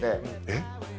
えっ？